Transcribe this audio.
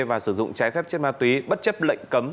và sử dụng trái phép chất ma túy bất chấp lệnh cấm